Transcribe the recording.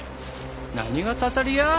何がたたりや！